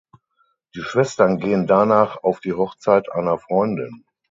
Die Schwestern gehen danach auf die Hochzeit einer Freundin.